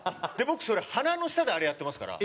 僕それ鼻の下であれやってますから。